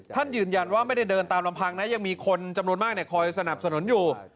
ยืนยันว่าไม่ได้เดินตามลำพังนะยังมีคนจำนวนมากคอยสนับสนุนอยู่